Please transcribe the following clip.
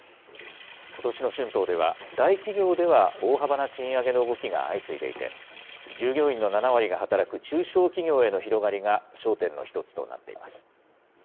ことしの春闘では、大企業では大幅な賃上げの動きが相次いでいて、従業員の７割が働く中小企業への広がりが焦点の一つとなっています。